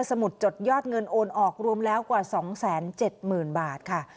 สมุดจดยอดเงินโอนออกรวมแล้วกว่า๒๗๐๐๐บาทค่ะ